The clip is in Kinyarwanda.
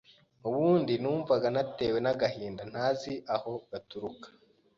ubundi numvaga natewe n’agahinda ntazi aho gaturuka.